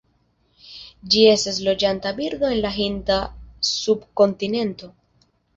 Ĝi estas loĝanta birdo en la Hinda subkontinento.